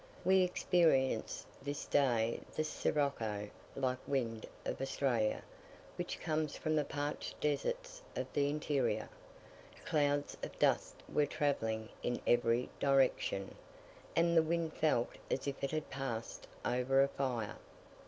We experienced this day the sirocco like wind of Australia, which comes from the parched deserts of the interior. Clouds of dust were travelling in every direction; and the wind felt as if it had passed over a fire.